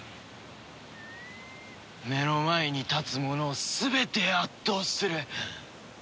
目の前に立つ者を全て圧倒する。